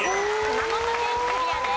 熊本県クリアです。